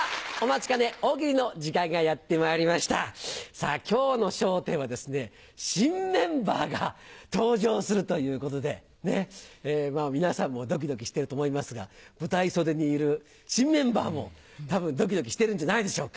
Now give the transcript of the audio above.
さあ、きょうの笑点はですね、新メンバーが登場するということで、まあ、皆さんもどきどきしていると思いますが、舞台袖にいる新メンバーもたぶんどきどきしてるんじゃないでしょうか。